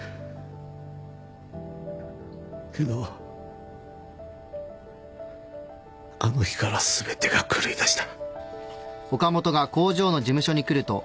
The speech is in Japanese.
けどあの日から全てが狂いだした。